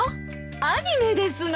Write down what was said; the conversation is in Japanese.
アニメですの。